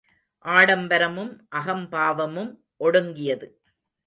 ஆடம்பரமும் அகம்பாவமும் ஒடுங்கியது.